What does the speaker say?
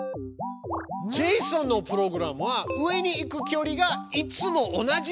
ジェイソンのプログラムは上に行く距離がいつも同じでした。